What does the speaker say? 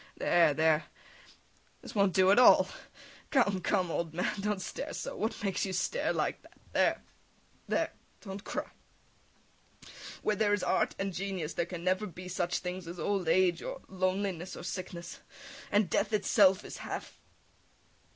There, there, this won't do at all! Come, come, old man, don't stare so! What makes you stare like that? There, there! [Embraces him in tears] Don't cry! Where there is art and genius there can never be such things as old age or loneliness or sickness ... and death itself is half